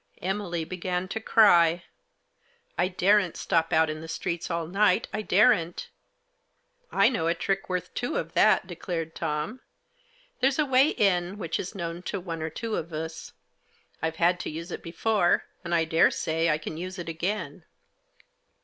Emily began to cry, " I daren't stop out in the streets all night — I daren't!" * 1 know a trick worth two of that, 41 declared Tom. * There's a way in which is known to one or two of us ; Fvc had to use it before, and I daresay I can use it again.